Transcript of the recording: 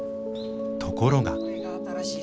ところが。